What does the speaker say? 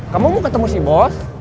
kamu mau ketemu si bos